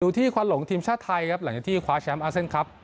ที่ควันหลงทีมชาติไทยครับหลังจากที่คว้าแชมป์อาเซียนครับ